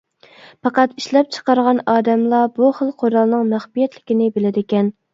پەقەت ئىشلەپچىقارغان ئادەملا بۇ خىل قورالنىڭ مەخپىيەتلىكىنى بىلىدىكەن.